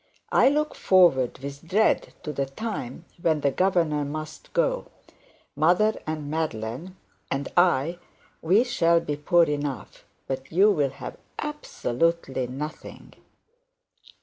I look forward with dread to the time when the governor must go. Mother, and Madeline, and I, we shall be poor enough, but you will have absolutely nothing.'